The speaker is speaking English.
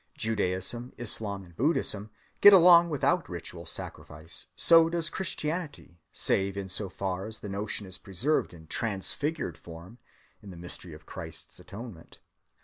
Judaism, Islam, and Buddhism get along without ritual sacrifice; so does Christianity, save in so far as the notion is preserved in transfigured form in the mystery of Christ's atonement.